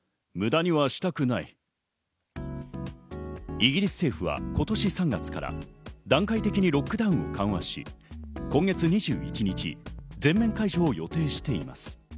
イギリス政府は今年３月から段階的にロックダウンを緩和し、今月２１日に全面解除を予定しています。